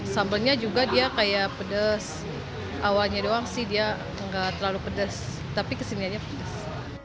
sambalnya juga dia kayak pedes awalnya doang sih dia nggak terlalu pedes tapi kesini aja pedes